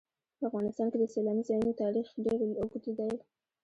په افغانستان کې د سیلاني ځایونو تاریخ ډېر اوږد دی.